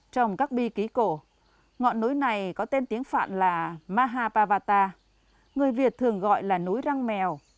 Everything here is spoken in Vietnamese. trong các bi ký cổ ngọn núi này có tên tiếng phạn là mahapavata người việt thường gọi là núi răng mèo